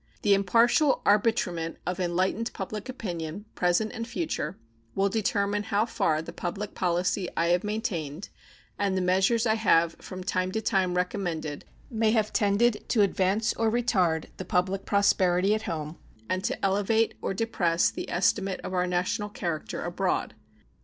The impartial arbitrament of enlightened public opinion, present and future, will determine how far the public policy I have maintained and the measures I have from time to time recommended may have tended to advance or retard the public prosperity at home and to elevate or depress the estimate of our national character abroad.